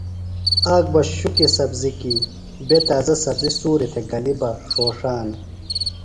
آک بہ شُکیۡ سبزی کی بےۡ تازہ سبزیۡ سُوریۡ تھےۡ گلیۡ بہ ݜوݜانہ۔